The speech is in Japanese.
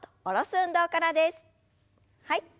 はい。